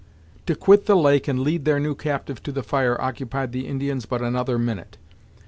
To quit the lake and lead their new captive to the fire occupied the Indians but another minute.